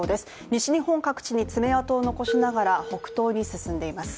西日本各地に爪痕を残しながら北東に進んでいます。